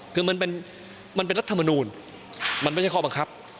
คือมันเป็นรัฐมนูลมันไม่ใช่ข้อบังคับ